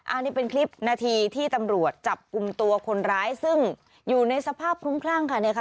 อันนี้เป็นคลิปนาทีที่ตำรวจจับกลุ่มตัวคนร้ายซึ่งอยู่ในสภาพคลุ้มคลั่งค่ะเนี่ยค่ะ